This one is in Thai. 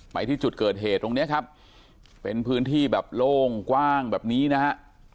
ไปที่จุดเกิดเหตุตรงนี้ครับเป็นพื้นที่แบบโล่งกว้างแบบนี้นะฮะ